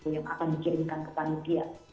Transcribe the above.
yang akan dikirimkan ke panitia